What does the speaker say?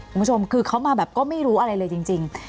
คุณผู้ชมคือเขามาแบบก็ไม่รู้อะไรเลยจริง